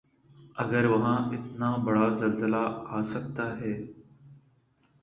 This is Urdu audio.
اگر وہاں اتنا بڑا زلزلہ آ سکتا ہے۔